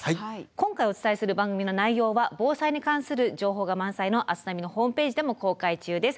今回お伝えする番組の内容は防災に関する情報が満載の「明日ナビ」のホームページでも公開中です。